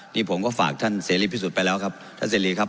นี่ผมก็ฝากท่านเสรีพิสุทธิ์ไปแล้วครับท่านเสรีครับ